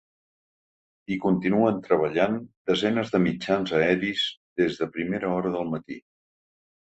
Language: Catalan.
Hi continuen treballant desenes de mitjans aeris des de primera hora del matí.